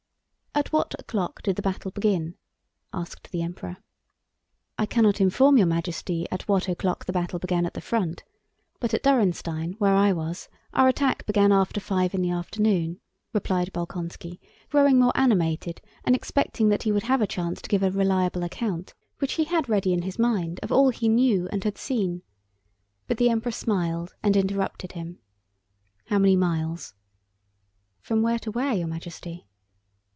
"At what o'clock did the battle begin?" asked the Emperor. "I cannot inform Your Majesty at what o'clock the battle began at the front, but at Dürrenstein, where I was, our attack began after five in the afternoon," replied Bolkónski growing more animated and expecting that he would have a chance to give a reliable account, which he had ready in his mind, of all he knew and had seen. But the Emperor smiled and interrupted him. "How many miles?" "From where to where, Your Majesty?"